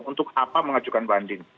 untuk apa mengajukan banding